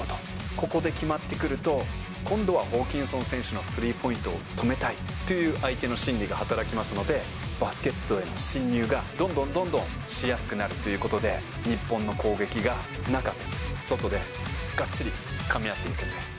ここで決まってくると、今度はホーキンソン選手のスリーポイントを止めたいっていう、相手の心理が働きますので、バスケットへの進入がどんどんどんどんしやすくなるということで、日本の攻撃が中と外でがっちりかみ合っていくんです。